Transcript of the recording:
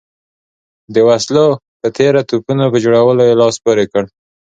د وسلو په تېره توپونو په جوړولو یې لاس پورې کړ.